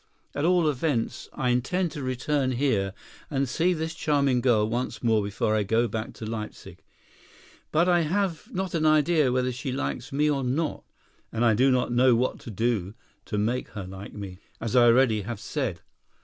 At all events I intend to return here and see this charming girl once more before I go back to Leipsic. But I have not an idea whether she likes me or not, and I do not know what to do to make her like me, as I already have said.